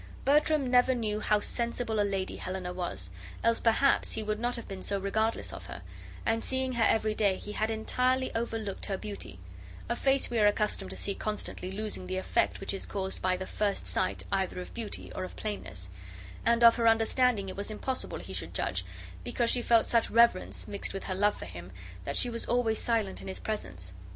Bertram never knew how sensible a lady Helena was, else perhaps he would not have been so regardless of her; and seeing her every day, he had entirely over looked her beauty; a face we are accustomed to see constantly losing the effect which is caused by the first sight either of beauty or of plainness; and of her understanding it was impossible he should judge, because she felt such reverence, mixed with her love for him, that she was always silent in his presence.